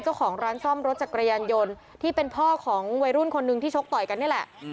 เจ้าของร้านซ่อมรถจักรยานยนต์ที่เป็นพ่อของวัยรุ่นคนหนึ่งที่ชกต่อยกันนี่แหละ